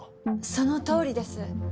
そのとおりです。